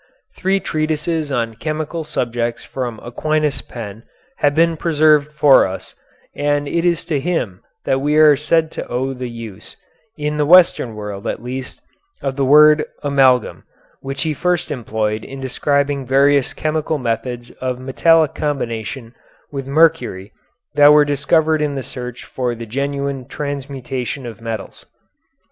Three treatises on chemical subjects from Aquinas' pen have been preserved for us, and it is to him that we are said to owe the use, in the Western world at least, of the word amalgam, which he first employed in describing various chemical methods of metallic combination with mercury that were discovered in the search for the genuine transmutation of metals.